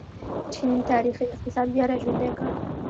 چین تاریخي اقتصاد بیا راژوندی کړ.